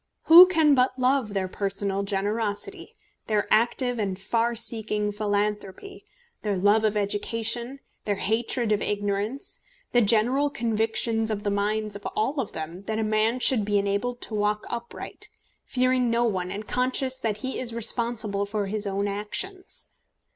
Who can but love their personal generosity, their active and far seeking philanthropy, their love of education, their hatred of ignorance, the general convictions in the minds of all of them that a man should be enabled to walk upright, fearing no one and conscious that he is responsible for his own actions?